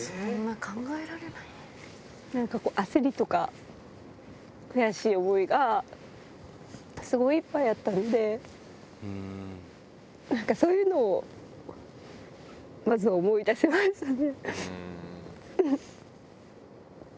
なんかこう、焦りとか、悔しい思いが、すごいいっぱいあったんで、なんかそういうのを、先ず思い出しましたね。